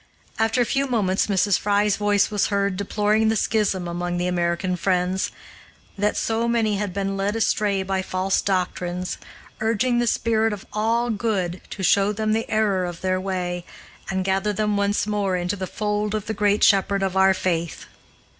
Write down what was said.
After a few moments Mrs. Fry's voice was heard deploring the schism among the American Friends; that sol many had been led astray by false doctrines; urging the Spirit of All Good to show them the error of their way, and gather them once more into the fold of the great Shepherd of our faith.